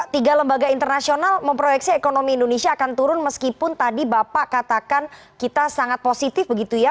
tiga lembaga internasional memproyeksi ekonomi indonesia akan turun meskipun tadi bapak katakan kita sangat positif begitu ya